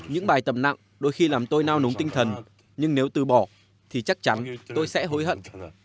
những bài tập nặng đôi khi làm tôi nao núng tinh thần nhưng nếu từ bỏ thì chắc chắn tôi sẽ hối hận